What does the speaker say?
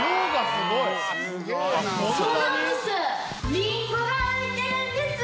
すごいな！